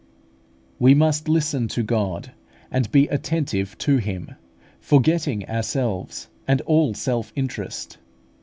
We must listen to God, and be attentive to Him, forgetting ourselves and all self interest.